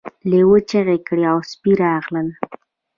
لیوه چیغې کړې او سپي راغلل.